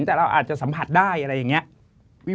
แต่เราอาจจะสัมผัสได้อะไรอย่างนี้